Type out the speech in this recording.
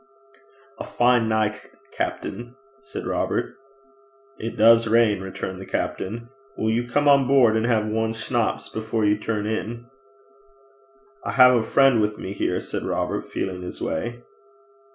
'A fine nicht, capt'n,' said Robert. 'It does rain,' returned the captain. 'Will you come on board and have one schnapps before you turn in?' 'I hae a frien' wi' me here,' said Robert, feeling his way.